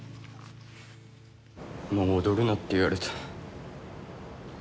もう踊るなって言われた。